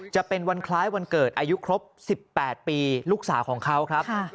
จะเป็นวันคล้ายวันเกิดอายุครบ๑๘ปีลูกสาวของเขาครับ